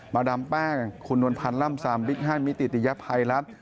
ดามแป้งคุณนวลพันธ์ล่ำซามบิ๊กฮันมิติติยภัยรัฐ